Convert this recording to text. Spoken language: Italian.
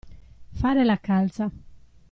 Fare la calza.